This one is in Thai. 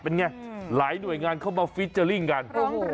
เป็นไงหลายหน่วยงานเข้ามาฟิเจอร์ลิ่งกัน